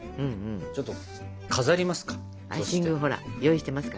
ちょっと飾りますか？